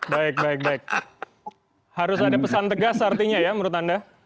baik baik baik harus ada pesan tegas artinya ya menurut anda